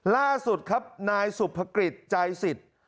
ล่าสุดครับนายสุภกฤษใจสิทธิ์